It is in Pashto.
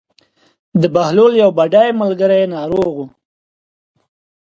د بهلول یو بډای ملګری ناروغ و.